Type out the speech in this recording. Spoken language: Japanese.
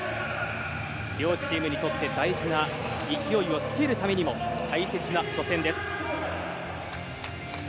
両チームにとって大事な勢いをつけるためにも大切な初戦です。